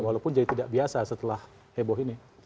walaupun jadi tidak biasa setelah heboh ini